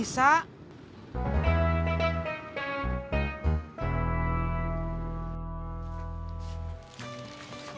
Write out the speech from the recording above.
nih bang bawain ke mas pur